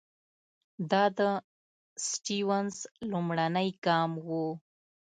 دا د سټیونز لومړنی ګام وو.